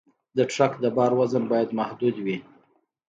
د ټرک د بار وزن باید محدود وي.